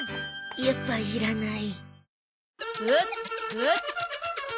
やっぱいらない。